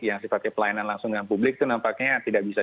yang sifatnya pelayanan langsung dengan publik itu nampaknya tidak bisa